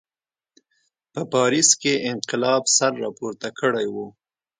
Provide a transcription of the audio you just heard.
په پاریس کې انقلاب سر راپورته کړی و.